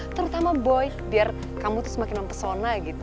terutama boy biar kamu tuh semakin mempesona gitu